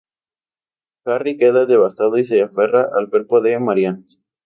Harry queda devastado y se aferra al cuerpo de Marianne.